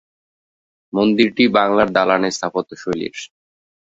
মন্দিরটি বাংলার দালান স্থাপত্যশৈলীর।